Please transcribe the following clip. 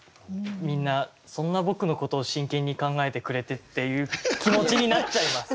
みんなそんな僕のことを真剣に考えてくれてっていう気持ちになっちゃいます。